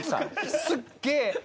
すっげえ。